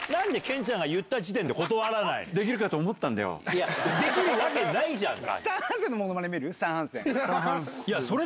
いやできるわけないじゃんか。